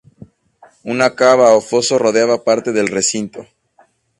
Una cava o foso rodeaba parte del recinto.